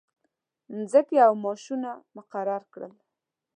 مځکې او معاشونه مقرر کړل.